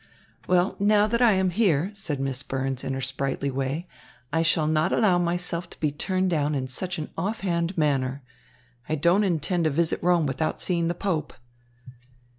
"Well, now that I am here," said Miss Burns in her sprightly way, "I shall not allow myself to be turned down in such an offhand manner. I don't intend to visit Rome without seeing the Pope."